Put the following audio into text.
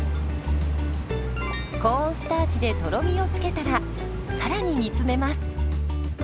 コーンスターチでとろみを付けたらさらに煮詰めます。